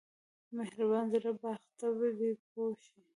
مهربان زړه باغ دی پوه شوې!.